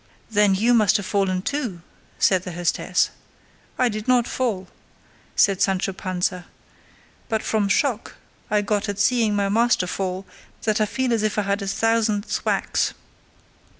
"Then you must have fallen too," said the hostess. "I did not fall," said Sancho Panza, "but from the shock I got at seeing my master fall, my body aches so that I feel as if I had had a thousand thwacks."